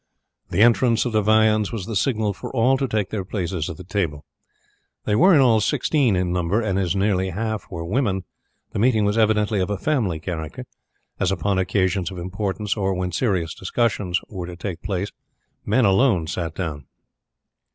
The entrance of the viands was the signal for all to take their places at the table. There were in all sixteen in number, and as nearly half were women the meeting was evidently of a family character, as upon occasions of importance or when serious discussions were to take place men alone sat down.